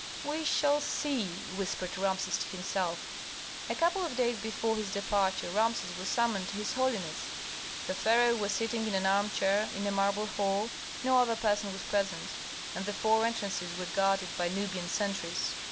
"We shall see," whispered Rameses to himself. A couple of days before his departure Rameses was summoned to his holiness. The pharaoh was sitting in an armchair in a marble hall; no other person was present, and the four entrances were guarded by Nubian sentries.